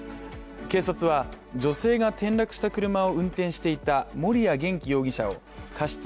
警察は女性が転落した車を運転していた森谷元気容疑者を過失